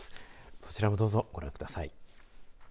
そちらもどうぞ、ご覧ください。